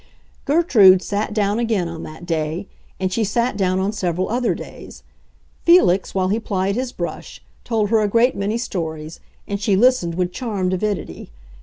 Gertrude sat down again on that day, and she sat down on several other days. Felix, while he plied his brush, told her a great many stories, and she listened with charmed avidity.